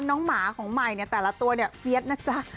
หมาของใหม่เนี่ยแต่ละตัวเนี่ยเฟียสนะจ๊ะ